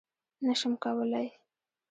_نه شم کولای.